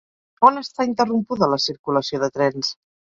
On està interrompuda la circulació de trens?